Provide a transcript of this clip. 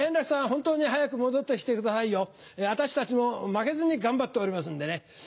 本当に早く戻って来てくださいよ。私たちも負けずに頑張っておりますんでね。